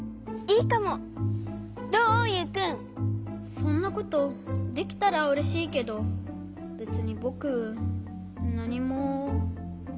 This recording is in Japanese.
そんなことできたらうれしいけどべつにぼくなにも。